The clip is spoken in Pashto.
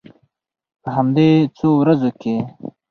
په همدې څو ورځو کې.